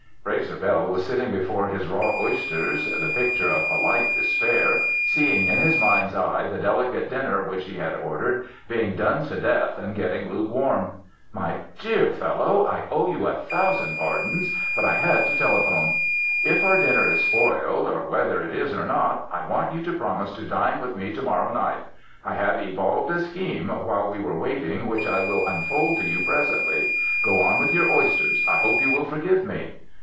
Frazer Bell was sitting before his raw oys ters the picture of polite despair, seeing in his mind's eye the delicate dinner which he had ordered being done to death and getting lukewarm. " My dear fellow, I owe you a thousand pardons, but I had to telei3hone. If our din ner is spoiled, or whether it is or not, I want you to promise to dine with me to morrow night. I have evolved a scheme while we were waiting, which I will unfold to you pres ently. Go on with your oysters. I hope you will forgive me."